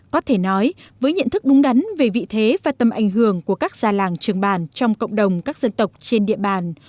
có thể nói với nhận thức đúng đắn về vị thế và tầm ảnh hưởng của các già làng trường bản trong cộng đồng các dân tộc trên địa bàn